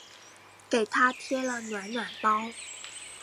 给她贴了暖暖包